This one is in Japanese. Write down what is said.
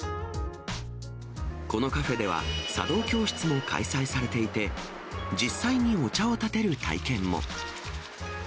このカフェでは茶道教室も開催されていて、実際にお茶をたてる体験も。